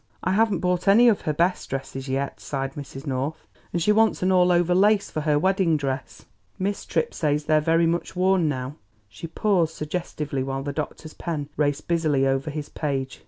"I haven't bought any of her best dresses yet," sighed Mrs. North; "and she wants an all over lace for her wedding dress. Miss Tripp says they're very much worn now." She paused suggestively while the doctor's pen raced busily over his page.